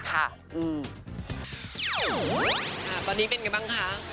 ตอนนี้เป็นไงบ้างค่ะ